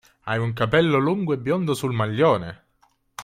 Hai un capello lungo e biondo sul maglione!